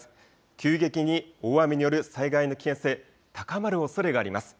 急激に大雨による災害の危険性、高まるおそれがあります。